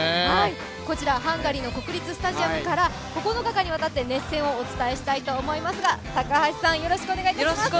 こちらハンガリーの国立スタジアムから９日間にわたって熱戦をお伝えしたいと思いますが、高橋さん、よろしくお願いします。